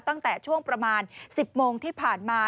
ตั้งแต่ช่วงประมาณ๑๐โมงที่ผ่านมา